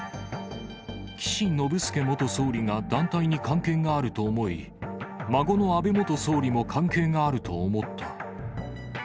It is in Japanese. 岸信介元総理が団体に関係があると思い、孫の安倍元総理も関係があると思った。